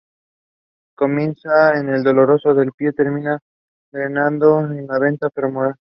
Comienza en el dorso del pie y termina drenando en la vena femoral.